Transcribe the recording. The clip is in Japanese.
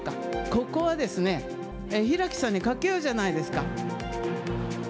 ここはですね、平木さんに賭けようじゃないですか。